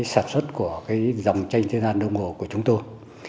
sản xuất của dòng tranh thế gian đông hồ của chúng tôi